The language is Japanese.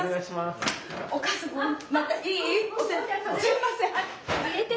すいません。